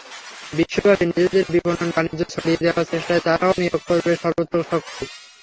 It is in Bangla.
বিশ্বব্যাপী নিজেদের বিপণন বাণিজ্য ছড়িয়ে দেওয়ার চেষ্টায় তারাও নিয়োগ করবে সর্বোচ্চ শক্তি।